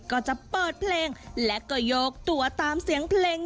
ก็จะเปิดเพลงและก็โยกตัวตามเสียงเพลง